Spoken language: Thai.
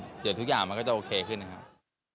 เดี๋ยวทุกอย่างมันก็จะโอเคขึ้นนะครับ